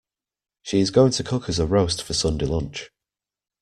She is going to cook us a roast for Sunday lunch